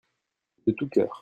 De tout cœur.